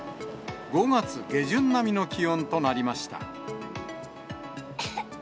５月下旬並みの気温となりました。